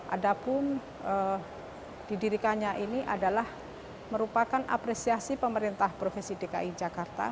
adapun didirikannya ini adalah merupakan apresiasi pemerintah provinsi dki jakarta